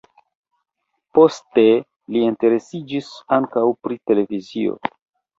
Poste li interesiĝis ankaŭ pri televizio.